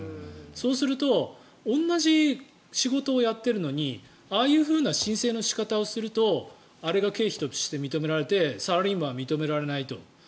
そうすると同じ仕事をやっているのにああいうふうな申請の仕方をするとあれが経費として認められてサラリーマンは認められないと。